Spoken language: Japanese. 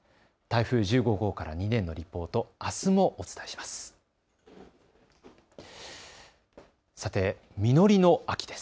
台風１５号からの２年のリポート、あすもお伝えします。